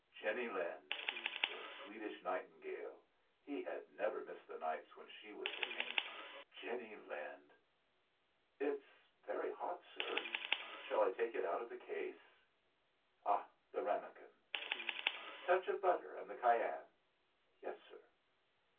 Jenny Lind! The Swedish nightingale he had never missed the nights when she was singing Jenny Lind! "It's very hot, sir. Shall I take it out of the case?" Ah! The ramequin! "Touch of butter, and the cayenne!" "Yes, sir."